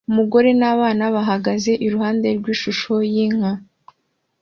Umugore n'abana bahagaze iruhande rw'ishusho y'inka